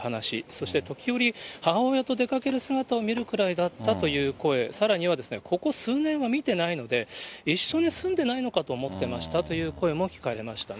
そして時折、母親と出かける姿を見るくらいだったという声、さらには、ここ数年は見てないので、一緒に住んでないのかと思ってましたという声も聞かれましたね。